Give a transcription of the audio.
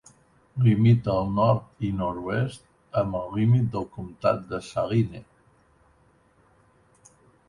Limita al nord i nord-oest amb el límit del comtat de Saline.